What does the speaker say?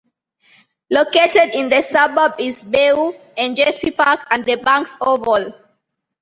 Located in the suburb is Beau and Jessi Park and the Banks Oval.